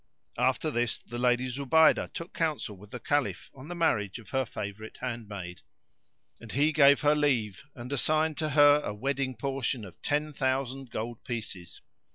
After this the Lady Zubaydah took counsel with the Caliph on the marriage of her favourite handmaid, and he gave leave and assigned to her a wedding portion of ten thousand gold pieces.